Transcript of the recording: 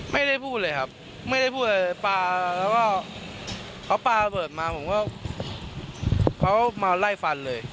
ไม่ได้พูดเลยครับไม่ได้พูดอะไรปลาแล้วก็เขาปลาระเบิดมาผมก็เขามาไล่ฟันเลย